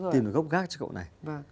tìm được gốc gác cho cậu này